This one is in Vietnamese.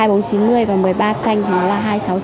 và một mươi ba thanh thì nó là hai nghìn sáu trăm chín mươi